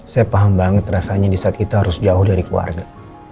saya paham banget rasanya di saat kita harus jauh dari keluarga